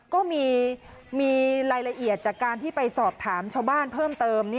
ก็มีรายละเอียดจากการที่ไปสอบถามชาวบ้านเพิ่มเติม